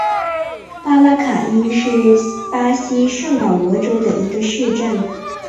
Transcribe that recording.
马拉卡伊是巴西圣保罗州的一个市镇。